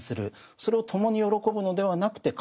それを共に喜ぶのではなくて悲しむ。